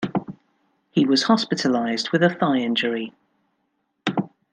He was hospitalised with a thigh injury.